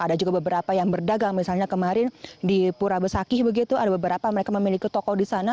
ada juga beberapa yang berdagang misalnya kemarin di pura besakih begitu ada beberapa mereka memiliki toko di sana